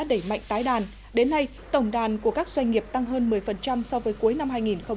đẩy mạnh tái đàn đến nay tổng đàn của các doanh nghiệp tăng hơn một mươi so với cuối năm hai nghìn một mươi tám